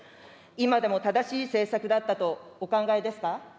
今でも正しい政策だったとお考えですか。